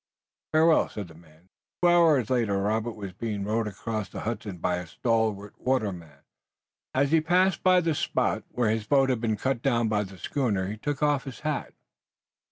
"Farewell," said the man, staring after him. Two hours later Robert was being rowed across the Hudson by a stalwart waterman. As he passed by the spot where his boat had been cut down by the schooner he took off his hat.